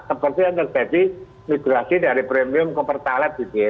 seperti yang terjadi migrasi dari premium ke pertalite gitu ya